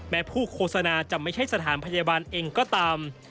ผู้โฆษณาจะไม่ใช่สถานพยาบาลเองก็ตาม